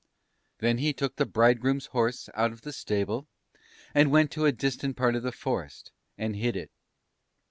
"Then he took the Bridegroom's horse out of the stable, and went to a distant part of the forest, and hid it.